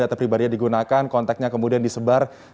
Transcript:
data pribadinya digunakan kontaknya kemudian disebar